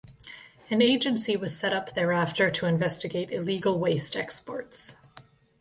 An agency was set up thereafter to investigate illegal waste exports.